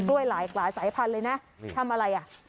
ด้วยหลายหลายสายพันธุ์เลยน่ะนี่ทำอะไรอ่ะ